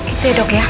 itu ya dok ya